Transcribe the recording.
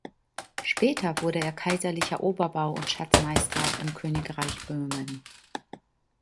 Später wurde er Kaiserlicher Oberbau- und Schatzmeister im Königreich Böhmen.